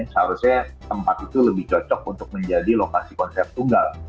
seharusnya tempat itu lebih cocok untuk menjadi lokasi konsep tunggal